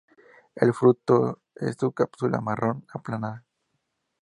El fruto es una cápsula marrón aplanada.